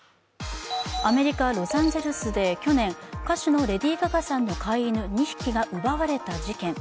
アメリカ・ロサンゼルスで去年、歌手のレディー・ガガさんの飼い犬２匹が奪われた事件。